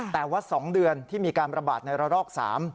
แต่ว่า๒เดือนที่มีการประบาดในระลอก๓